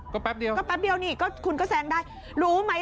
ก็แป๊บเดียวนี่คุณก็แสงได้รู้ไหม